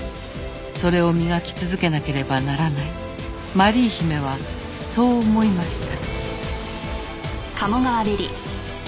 「それを磨き続けなければならない」「マリー姫はそう思いました」